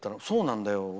そうなんだよ